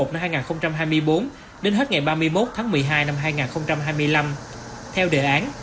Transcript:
theo đề án